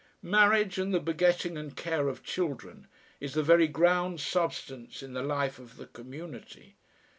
Marriage and the begetting and care of children, is the very ground substance in the life of the community.